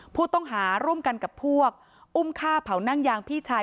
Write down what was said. ผู้ต้องหาร่วมกันกับพวกอุ้มฆ่าเผานั่งยางพี่ชาย